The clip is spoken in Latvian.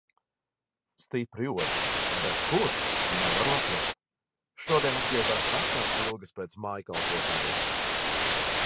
Stipri ož. Bet kur - nevaru atrast. Šodien atgriezās vecās ilgas pēc mājkalpotājas.